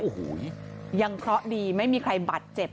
โอ้โหยังเคราะห์ดีไม่มีใครบาดเจ็บ